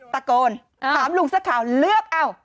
ตะโกนถามลุงเสื้อขาว